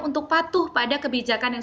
untuk patuh pada kebijakan yang